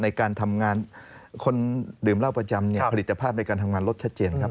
ในการทำงานคนดื่มเหล้าประจำเนี่ยผลิตภาพในการทำงานรถชัดเจนครับ